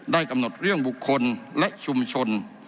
กำหนดเรื่องบุคคลและชุมชน